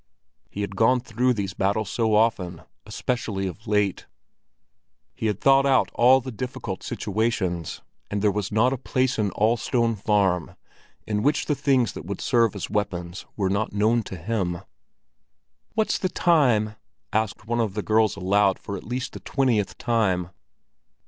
He had gone through these battles so often, especially of late; he had thought out all the difficult situations, and there was not a place in all Stone Farm in which the things that would serve as weapons were not known to him. "What's the time?" asked one of the girls aloud for at least the twentieth time.